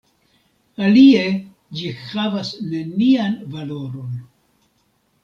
Alie ĝi havas nenian valoron.